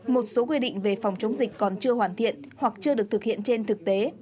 một số quy định về phòng chống dịch còn chưa hoàn thiện hoặc chưa được thực hiện trên thực tế